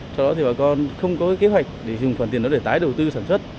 sau đó thì bà con không có kế hoạch để dùng khoản tiền đó để tái đầu tư sản xuất